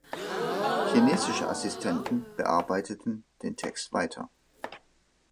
Chinesische Assistenten bearbeiteten den Text weiter.